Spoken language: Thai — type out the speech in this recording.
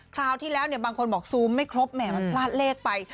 คราวที่แล้วเนี่ยบางคนบอกซูมไม่ครบแหมมันพลาดเลขไป